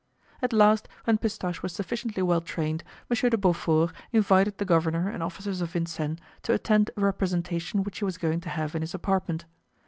At last, when Pistache was sufficiently well trained, Monsieur de Beaufort invited the governor and officers of Vincennes to attend a representation which he was going to have in his apartment.